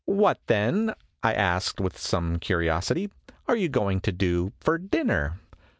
"What, then," I asked, with some curiosity, "are you going to do for dinner